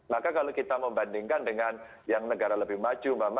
maka kalau kita membandingkan dengan yang negara lebih maju